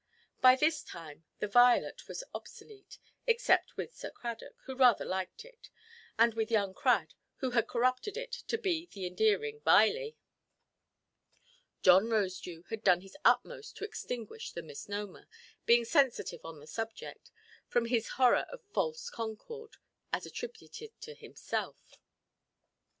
By this time the "Violet" was obsolete, except with Sir Cradock, who rather liked it, and with young Crad, who had corrupted it into the endearing "Viley". John Rosedew had done his utmost to extinguish the misnomer, being sensitive on the subject, from his horror of false concord, as attributed to himself.